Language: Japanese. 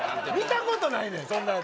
見たことないねん